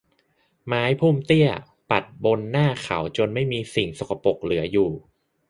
ไม้พุ่มเตี้ยปัดบนหน้าเขาจนไม่มีสิ่งสกปรกเหลืออยู่